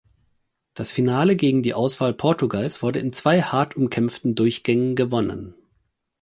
Das Finale gegen die Auswahl Portugals wurde in zwei hart umkämpften Durchgängen gewonnen.